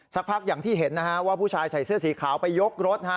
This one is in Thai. สักพักอย่างที่เห็นนะฮะว่าผู้ชายใส่เสื้อสีขาวไปยกรถฮะ